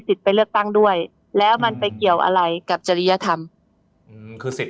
ไปเลือกตั้งด้วยแล้วมันไปเกี่ยวอะไรกับจริยธรรมอืมคือสิทธิ